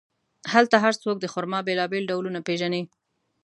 هلته هر څوک د خرما بیلابیل ډولونه پېژني.